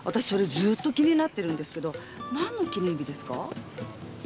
ずーっと気になってるんですけどなんの記念日ですか？